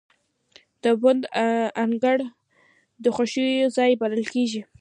د پوهنتون انګړ د خوښیو ځای بلل کېږي.